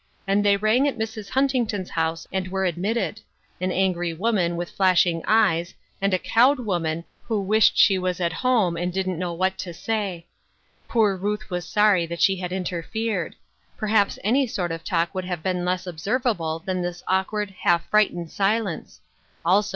And they rang at Mrs, Huntington's and were admitted — an angry 146 Ruth Erskine's Crosses, woman, with flashing eyes, and a cowed woman, who wished she was at home, and didn't know what to say. Poor Ruth was sorry that sLe had interfered. Perhaps any sort of talk would have been less observable that this awkward, half frightened silence ; also.